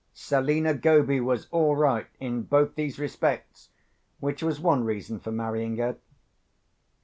Selina Goby was all right in both these respects, which was one reason for marrying her.